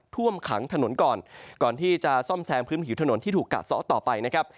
ท่วมขังถนนก่อนก่อนที่จะซ่อมแซมพื้นผิวถนนที่ถูกกัดซ้อต่อไปนะครับ